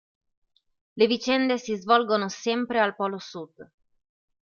Le vicende si svolgono sempre al polo sud.